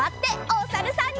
おさるさん。